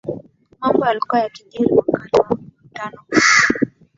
mambo yaliyokuwa yakijiri katika mkutano huo